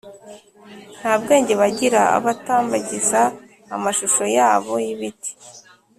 nta bwenge bagira, abatambagiza amashusho yabo y’ibiti,